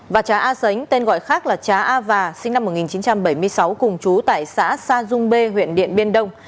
và trá a sánh tên gọi khác là trá a và sinh năm một nghìn chín trăm bảy mươi sáu cùng chú tại xã sa dung bê huyện điện biên đông